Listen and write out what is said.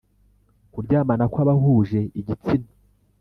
Kuryamana kw abahuje igitsina